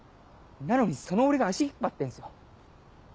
なのにその俺が足引っ張ってんすよ。